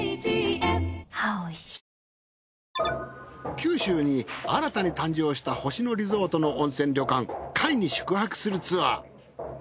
九州に新たに誕生した星野リゾートの温泉旅館界に宿泊するツアー。